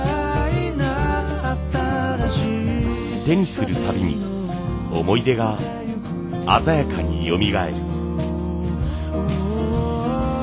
手にするたびに思い出が鮮やかによみがえる。